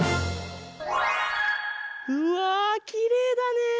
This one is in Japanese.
うわきれいだねえ！